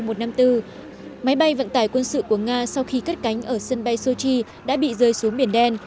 máy bay vận tải quân sự của nga sau khi cất cánh ở sân bay sochi đã bị rơi xuống biển đen